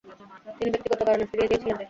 তিনি ব্যক্তিগত কারণে ফিরিয়ে দিয়েছিলেন।